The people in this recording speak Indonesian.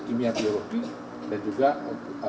kimia biologi dan juga untuk